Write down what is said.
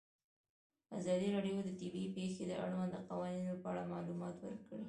ازادي راډیو د طبیعي پېښې د اړونده قوانینو په اړه معلومات ورکړي.